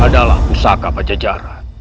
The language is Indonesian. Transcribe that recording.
adalah pusaka pajajara